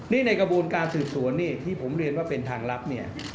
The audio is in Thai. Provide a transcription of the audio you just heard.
นี่ในกระบวนการสืบสวนนี่ที่ผมเรียนว่าเป็นทางลับเนี่ย